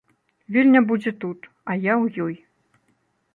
Вільня будзе тут, а я ў ёй.